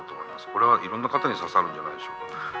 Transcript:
これはいろんな方に刺さるんじゃないでしょうか。